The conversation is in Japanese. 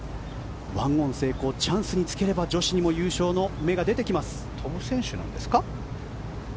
１オン成功でチャンスにつければ女子にも優勝の芽が出てきます。